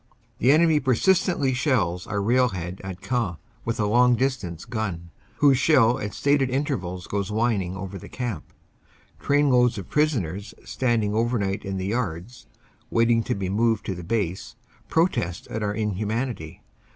The enemy persistently shells our railhead at Queant with a long distance gun, whose shell at stated intervals goes whin ing over the camp. Trainloads of prisoners standing over night in the yards waiting to be moved to the base protest at our inhumanity.